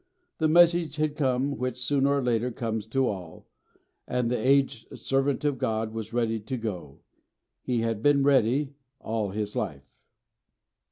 The message had come which sooner or later comes to all, and the aged servant of God was ready to go; he had been ready all his life.